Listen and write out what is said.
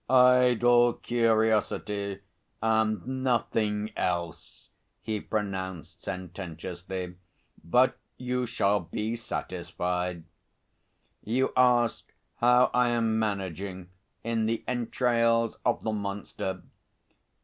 "Idle curiosity and nothing else," he pronounced sententiously, "but you shall be satisfied. You ask how I am managing in the entrails of the monster?